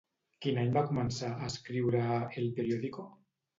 Quin any va començar a escriure a El Periódico?